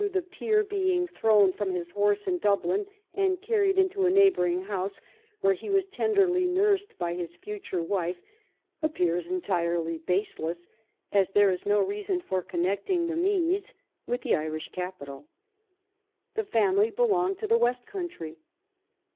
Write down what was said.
3 the peer being thrown from his horse in Dublin^ and carried into a neighbouring house where he was ten derly nursed by his future wife, appears entirely base less^ as there is no reason for connecting the Mees with the Irish capital. The family belonged to the west country.